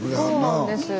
そうなんです。